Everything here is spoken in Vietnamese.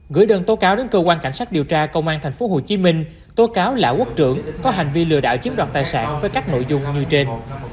gửi đơn tố cáo đến cơ quan cảnh sát điều tra công an tp hcm tố cáo lã quốc trưởng có hành vi lừa đảo chiếm đoạt tài sản với các nội dung như trên